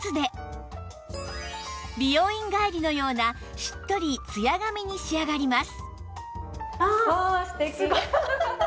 美容院帰りのようなしっとりツヤ髪に仕上がります